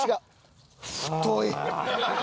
太い。